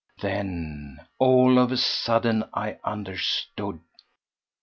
Then all of a sudden I understood.